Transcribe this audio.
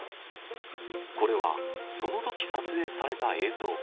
これはそのとき撮影された映像。